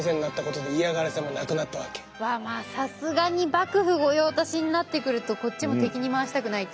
さすがに幕府御用達になってくるとこっちも敵に回したくないっていうのありますよね。